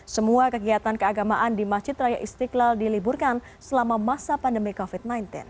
semua kegiatan keagamaan di masjid raya istiqlal diliburkan selama masa pandemi covid sembilan belas